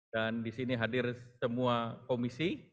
dan di sini hadir semua komisi